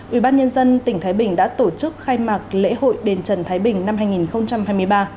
ubnd tỉnh thái bình đã tổ chức khai mạc lễ hội đền trần thái bình năm hai nghìn hai mươi ba